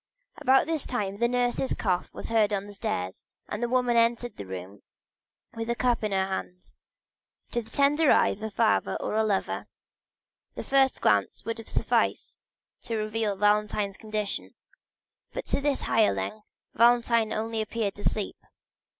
About this time the nurse's cough was heard on the stairs and the woman entered the room with a cup in her hand. To the tender eye of a father or a lover, the first glance would have sufficed to reveal Valentine's condition; but to this hireling, Valentine only appeared to sleep.